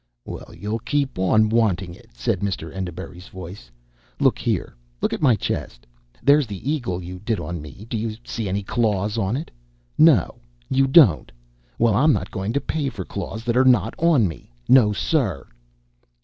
"Well, you'll keep on wanting it," said Mr. Enderbury's voice. "Look here! Look at my chest. There's the eagle you did on me do you see any claws on it? No, you don't! Well, I'm not going to pay for claws that are not on me. No, sir!"